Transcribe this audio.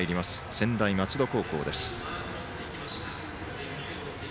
専大松戸高校です。